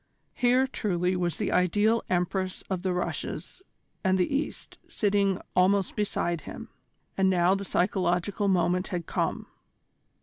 Here, truly, was the ideal Empress of the Russias and the East sitting almost beside him. And now the psychological moment had come!